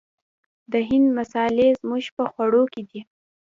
د هند مسالې زموږ په خوړو کې دي.